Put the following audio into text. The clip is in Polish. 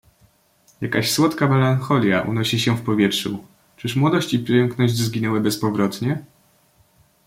"Jakaś słodka melancholia unosi się w powietrzu; czyż młodość i piękność zginęły bezpowrotnie?"